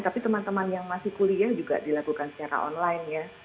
tapi teman teman yang masih kuliah juga dilakukan secara online ya